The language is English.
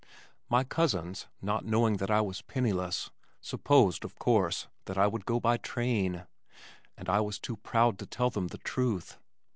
My cousins, not knowing that I was penniless, supposed, of course, that I would go by train, and I was too proud to tell them the truth.